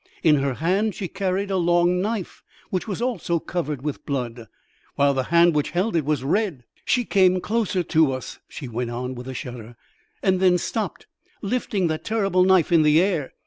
In her hand she carried a long knife, which was also covered with blood, while the hand which held it was red. She came closer to us," she went on with a shudder, "and then stopped, lifting the terrible knife in the air.